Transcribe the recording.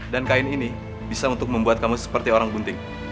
dan kain ini bisa untuk membuat kamu seperti orang bunting